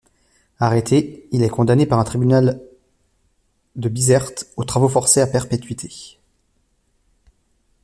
Arrêté, il est condamné par un tribunal de Bizerte aux travaux forcés à perpétuité.